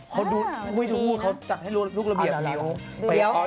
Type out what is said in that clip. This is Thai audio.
เพราะดูไม่ดูเขาจัดให้ลูกระเบียบ